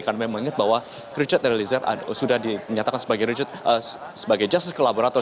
karena memang ingat bahwa richard eliezer sudah dinyatakan sebagai justice collaborator